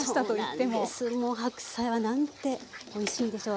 もう白菜はなんておいしいんでしょう。